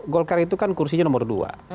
golkar itu kan kursinya nomor dua